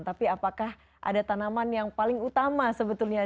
tapi apakah ada tanaman yang paling utama sebetulnya